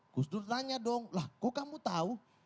gus dur tanya dong lah kok kamu tahu